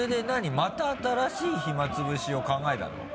また新しい暇つぶしを考えたの？